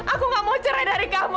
aku gak mau cerai dari kamu